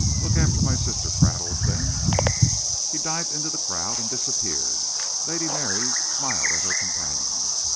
Look after my sister, Pratt, old thing." He dived into the crowd and disappeared. Lady Mary smiled at her companion.